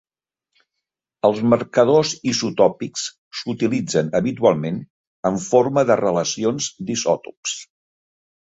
Els marcadors isotòpics s'utilitzen habitualment en forma de relacions d'isòtops.